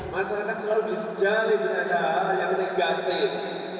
masyarakat selalu dijali dengan hal hal yang negatif